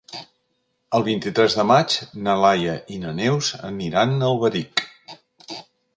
El vint-i-tres de maig na Laia i na Neus aniran a Alberic.